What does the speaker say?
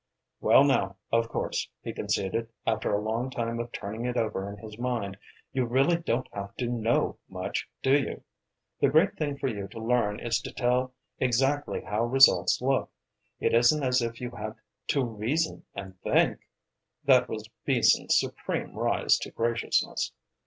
"Well now, of course," he conceded, after a long time of turning it over in his mind, "you really don't have to know much, do you? The great thing for you to learn is to tell exactly how results look. It isn't as if you had to reason and think," that was Beason's supreme rise to graciousness.